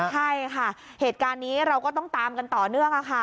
ใช่ค่ะเหตุการณ์นี้เราก็ต้องตามกันต่อเนื่องค่ะ